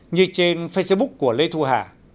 như trên facebook của lê thu hà